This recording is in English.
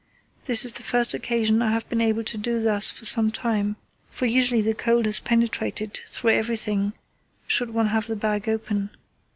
This is the first occasion I have been able to do thus for some time, for usually the cold has penetrated through everything should one have the bag open.